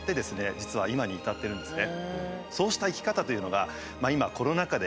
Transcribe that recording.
実は今に至ってるんですね。